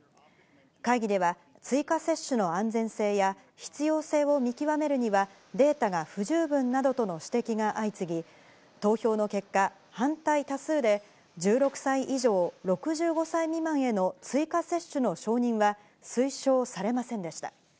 会議では、追加接種の安全性や必要性を見極めるには、データが不十分などとの指摘が相次ぎ、投票の結果、反対多数で、１６歳以上６５歳未満への追加接種の承認は推奨されませんでした。